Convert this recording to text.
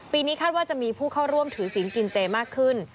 นี้คาดว่าจะมีผู้เข้าร่วมถือศีลกินเจมากขึ้น